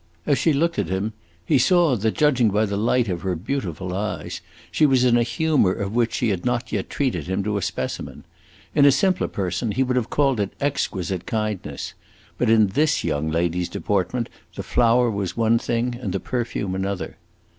As she looked at him he saw that, judging by the light of her beautiful eyes, she was in a humor of which she had not yet treated him to a specimen. In a simpler person he would have called it exquisite kindness; but in this young lady's deportment the flower was one thing and the perfume another.